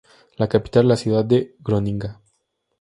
La capital es la ciudad de Groninga.